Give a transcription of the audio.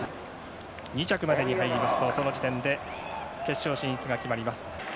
２着までに入りますと、その時点で決勝進出が決まります。